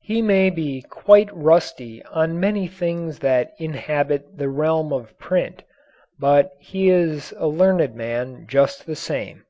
He may be quite rusty on many things that inhabit the realm of print, but he is a learned man just the same.